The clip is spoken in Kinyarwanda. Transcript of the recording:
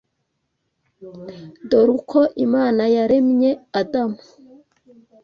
Dore uko Imana yaremye Adamu.